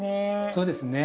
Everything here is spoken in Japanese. そうですね。